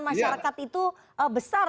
masyarakat itu besar